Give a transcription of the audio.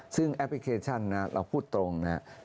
ซึ่งแอปพลิเคชันเราพูดตรง